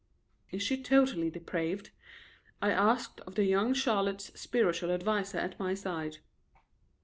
"Is she totally depraved?" I asked of the young Charlotte's spiritual adviser at my side.